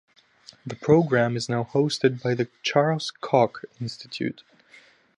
The program is now hosted by the Charles Koch Institute.